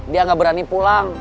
dia gak berani pulang